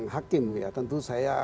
hakim ya tentu saya